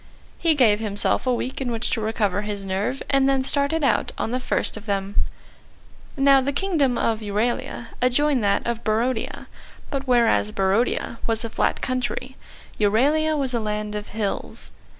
He gave himself a week in which to recover his nerve and then started out on the first of them. [Illustration: "Most extraordinary," said the King] Now the Kingdom of Euralia adjoined that of Barodia, but whereas Barodia was a flat country, Euralia was a land of hills.